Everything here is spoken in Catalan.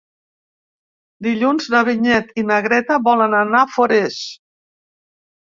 Dilluns na Vinyet i na Greta volen anar a Forès.